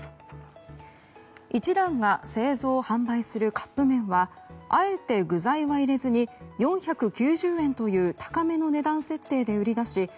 一蘭が製造・販売するカップ麺はあえて具材は入れずに４９０円という高めの値段設定で売り出し